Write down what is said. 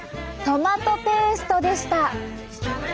トマトペーストでした！